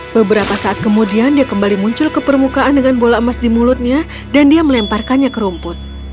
beberapa saat kemudian dia kembali muncul ke permukaan dengan bola emas di mulutnya dan dia melemparkannya ke rumput